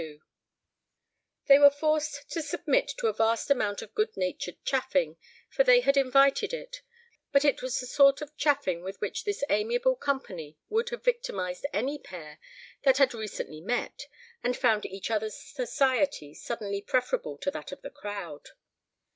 LII They were forced to submit to a vast amount of good natured chaffing, for they had invited it, but it was the sort of chaffing with which this amiable company would have victimized any pair that had recently met, and found each other's society suddenly preferable to that of the crowd.